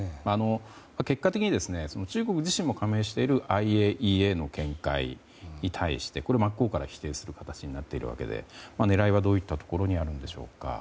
結果的に中国自身も加盟しているＩＡＥＡの見解に対して真っ向から否定する形になっているわけで狙いはどういったところにあるのでしょうか。